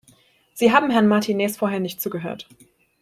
Sie haben Herrn Martinez vorhin nicht zugehört.